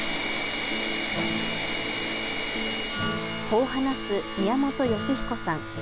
こう話す宮本芳彦さん。